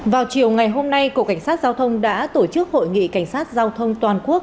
vào chiều ngày hôm nay cục cảnh sát giao thông đã tổ chức hội nghị cảnh sát giao thông toàn quốc